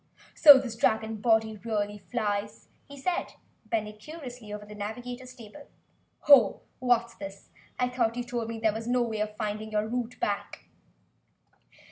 "So this dragon body really flys?" he said, bending curiously over the navigator's table. "Ho, what's this? I thought you told me you had no way of finding the route back?"